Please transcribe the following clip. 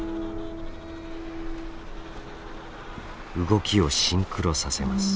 動きをシンクロさせます。